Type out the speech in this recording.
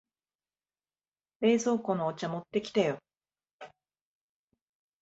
冷蔵庫のお茶持ってきてよ。